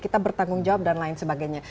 kita bertanggung jawab dan lain sebagainya